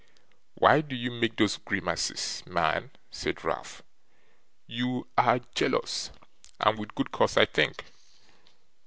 'Why do you make those grimaces, man?' said Ralph; 'you ARE jealous and with good cause I think.